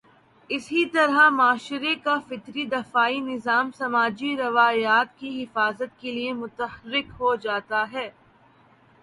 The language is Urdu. اسی طرح معاشرے کا فطری دفاعی نظام سماجی روایات کی حفاظت کے لیے متحرک ہو جاتا ہے۔